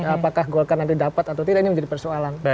apakah golkar nanti dapat atau tidak ini menjadi persoalan